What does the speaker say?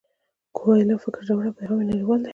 د کویلیو فکر ژور او پیغام یې نړیوال دی.